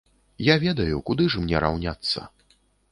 Я ведаю, куды ж мне раўняцца!